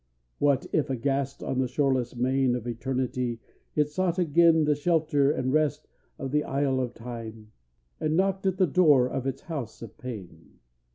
What if, aghast on the shoreless main Of Eternity, it sought again The shelter and rest of the Isle of Time, And knocked at the door of its house of pain!